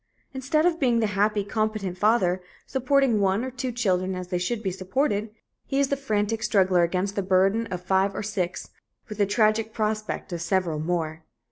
Instead of being the happy, competent father, supporting one or two children as they should be supported, he is the frantic struggler against the burden of five or six, with the tragic prospect of several more.